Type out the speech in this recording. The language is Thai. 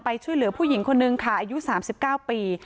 ช่วยเหลือผู้หญิงคนนึงค่ะอายุ๓๙ปี